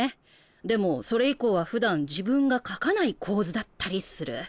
でもそれ以降はふだん自分が描かない構図だったりする。